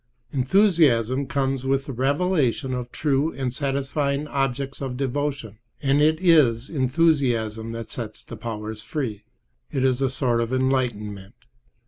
Enthusiasm comes with the revelation of true and satisfying objects of devotion; and it is enthusiasm that sets the powers free. It is a sort of enlightenment.